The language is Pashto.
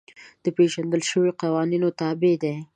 د پېژندل شویو قوانینو تابع دي.